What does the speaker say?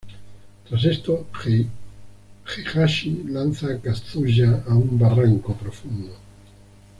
Tras esto, Heihachi lanza a Kazuya a un barranco profundo.